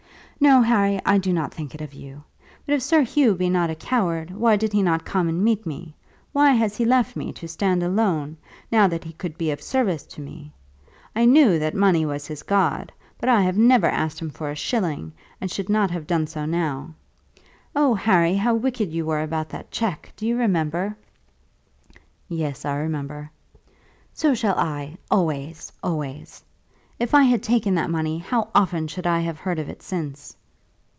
"No, Harry; I do not think it of you. But if Sir Hugh be not a coward, why did he not come and meet me? Why has he left me to stand alone, now that he could be of service to me? I knew that money was his god, but I have never asked him for a shilling and should not have done so now. Oh, Harry, how wicked you were about that cheque! Do you remember?" "Yes; I remember." "So shall I; always, always. If I had taken that money how often should I have heard of it since?"